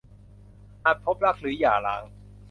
อาจพบรักหรือหย่าร้าง